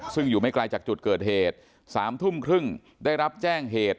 ซึ่งอยู่ไม่ไกลจากจุดเกิดเหตุ๓ทุ่มครึ่งได้รับแจ้งเหตุ